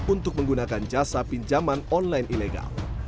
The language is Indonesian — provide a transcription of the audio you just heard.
untuk menggunakan jasa pinjaman online ilegal